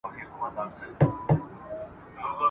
چي دوی له پيل څخه هم